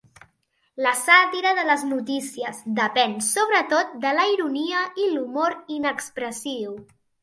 La sàtira de les notícies depèn sobretot de la ironia i l'humor inexpressiu.